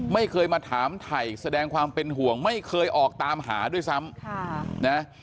ไม่เคยมาถามถ่ายแสดงความเป็นห่วงไม่เคยออกตามหาด้วยซ้ำ